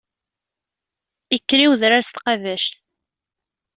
Ikker i wedrar s tqabact.